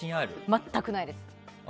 全くないです。